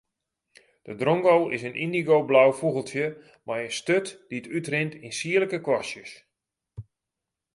De drongo is in yndigoblau fûgeltsje mei in sturt dy't útrint yn sierlike kwastjes.